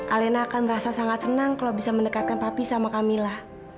alena akan merasa sangat senang kalau bisa mendekatkan papi sama camilla